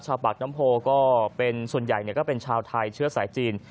ปากน้ำโพก็เป็นส่วนใหญ่ก็เป็นชาวไทยเชื้อสายจีน